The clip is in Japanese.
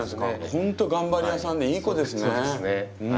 ほんと頑張り屋さんでいい子ですね。